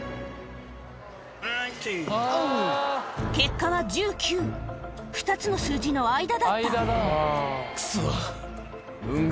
・ナインティーン・結果は１９２つの数字の間だったクソ。